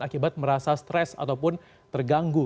akibat merasa stres ataupun terganggu